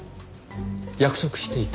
約束していた？